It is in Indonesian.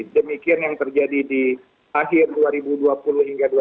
demikian yang terjadi di akhir dua ribu dua puluh hingga dua ribu dua puluh